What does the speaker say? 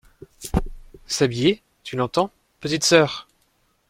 S'habiller, tu l'entends, petite soeur !